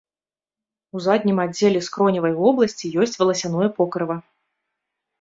У заднім аддзеле скроневай вобласці ёсць валасяное покрыва.